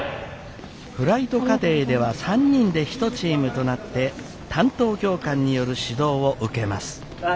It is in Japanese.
フライト課程では３人で一チームとなって担当教官による指導を受けます。